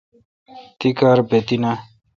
تی کار بہ تی ناں